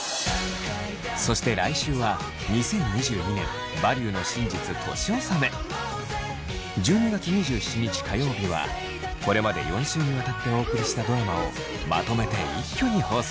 そして来週は１２月２７日火曜日はこれまで４週にわたってお送りしたドラマをまとめて一挙に放送。